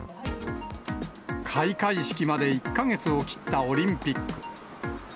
開会式まで１か月を切ったオリンピック。